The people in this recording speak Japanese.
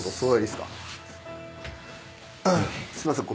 すいません。